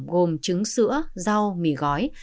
gồm trứng sữa rau mì gói